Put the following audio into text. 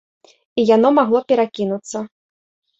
І яно магло перакінуцца.